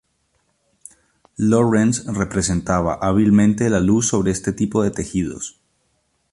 Lawrence representaba hábilmente la luz sobre este tipo de tejidos.